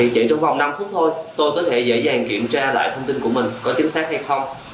chỉ trong vòng năm phút thôi tôi có thể dễ dàng kiểm tra lại thông tin của mình có chính xác hay không